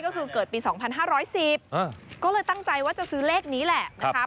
ก็คือเกิดปี๒๕๑๐ก็เลยตั้งใจว่าจะซื้อเลขนี้แหละนะคะ